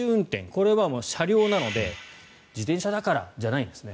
これは車両なので自転車だからじゃないんですね